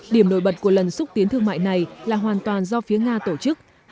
điểm nổi bật của lần xúc tiến thương mại này là hoàn toàn do phía nga tổ chức